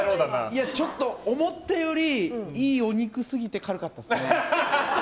いや、ちょっと思ったよりいいお肉すぎて軽かったですね。